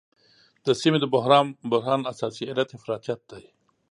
د سیمې د بحران اساسي علت افراطیت دی.